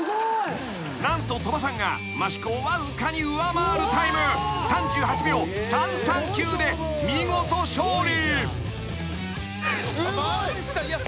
［何と鳥羽さんが益子をわずかに上回るタイム３８秒３３９で見事勝利］